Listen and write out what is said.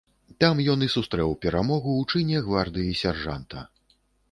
Там ён і сустрэў перамогу ў чыне гвардыі сяржанта.